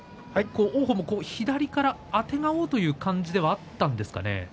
左からあてがおうという感じではあったんですかね。